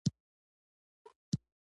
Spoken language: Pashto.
د خطاطۍ لپاره هم ځانګړي پنسلونه کارول کېږي.